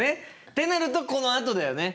ってなるとこのあとだよね。